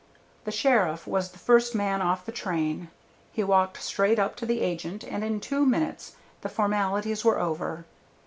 The sheriff was the first man off the train; he walked straight up to the agent, and in two minutes the formalities were over.